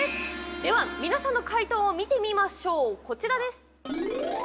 では、皆さんの解答を見てみましょう、こちらです。